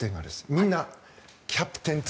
みんな「キャプテン翼」